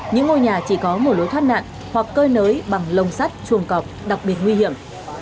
những ngôi nhà chỉ có một lối thoát nạn hoặc cơi nới bằng lồng sắt chuồng cọp đặc biệt nguy hiểm